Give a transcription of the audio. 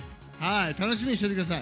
楽しみにしといてください。